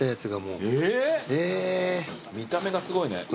見た目がすごいね。